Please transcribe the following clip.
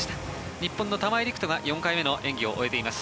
日本の玉井陸斗が４回目の演技を終えています。